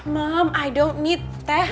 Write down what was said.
mama aku gak butuh teh